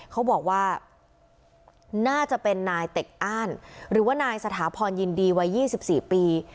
เขาบอกว่าน่าจะเป็นนายเต็กอ้านหรือว่านายสถาพรยินดีวัย๒๔ปี